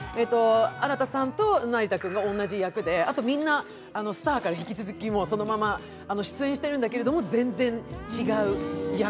新さんと成田君が同じ役であとみんな「スター」から引き続きそのまま出演しているんだけれども、全然違う役。